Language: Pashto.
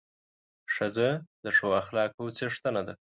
ښځه د ښو اخلاقو څښتنه ده.